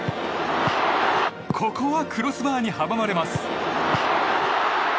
ここはクロスバーに阻まれます。